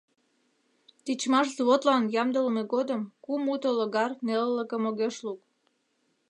Тичмаш взводлан ямдылыме годым кум уто логар нелылыкым огеш лук.